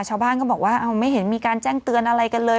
ชาวบ้านก็บอกว่าไม่เห็นมีการแจ้งเตือนอะไรกันเลย